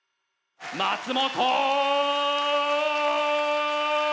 松本！